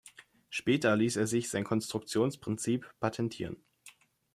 Später liess er sich sein Konstruktionsprinzip patentieren.